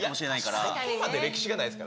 そこまで歴史がないですから。